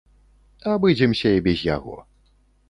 Абыдземся і без яго.